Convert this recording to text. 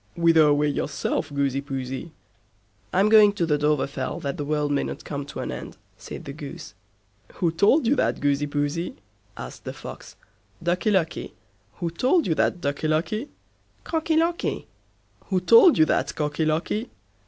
"Whither away yourself, Goosey Poosey?" "I'm going to the Dovrefell that the world mayn't come to an end", said the Goose. "Who told you that, Goosey Poosey?" asked the Fox. "Ducky Lucky." "Who told you that, Ducky Lucky?" "Cocky Locky." "Who told you that, Cocky Locky?"